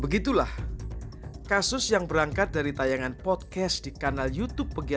begitulah kasus yang berangkat dari tayangan podcast di kanal youtube